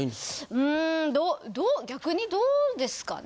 うん逆にどうですかね？